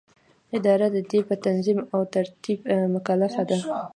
اداره د دې په تنظیم او ترتیب مکلفه ده.